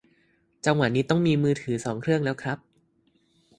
จังหวะนี้ต้องมีมือถือสองเครื่องแล้วครับ